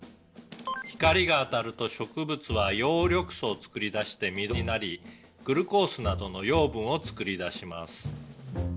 「光が当たると植物は葉緑素を作り出して緑色になりグルコースなどの養分を作り出します」